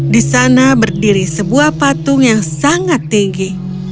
di sana berdiri sebuah patung yang sangat tinggi